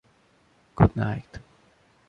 Goodnight.